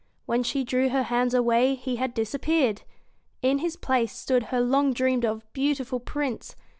When she drew her hands away he had disappeared. In his place stood her long dreamed of, beautiful " "Prince.